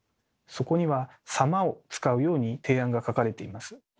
そこには「様」を使うように提案が書かれています。